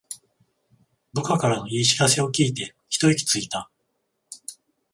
部下からの良い知らせを聞いてひと息ついた